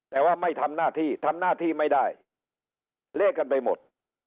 แต่ว่าไม่ทำหน้าที่ทำหน้าที่ไม่ได้เละกันไปหมด